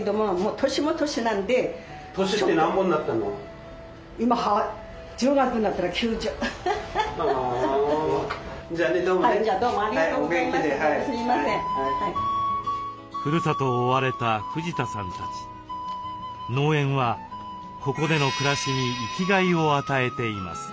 農園はここでの暮らしに生きがいを与えています。